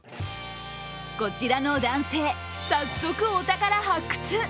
こちらの男性、早速お宝発掘。